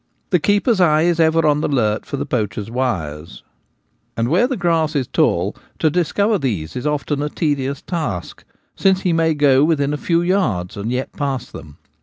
The keeper's eye is ever on the alert for the poacher's wires ; and where the grass is tall to discover these is often a tedious task, since he may go within a few yards and yet pass them.